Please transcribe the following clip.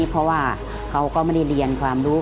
เพราะว่าเขาก็ไม่ได้เรียนความรู้